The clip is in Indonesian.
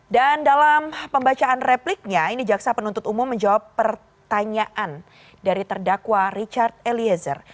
dan dalam pembacaan repliknya ini jaksa penuntut umum menjawab pertanyaan dari terdakwa richard eliezer